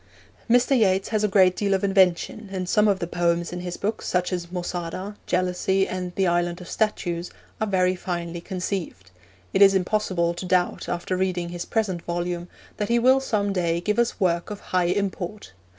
Mr. Yeats has a great deal of invention, and some of the poems in his book, such as Mosada, Jealousy, and The Island of Statues, are very finely conceived. It is impossible to doubt, after reading his present volume, that he will some day give us work of high import.